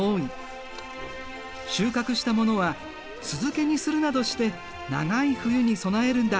収穫したものは酢漬けにするなどして長い冬に備えるんだ。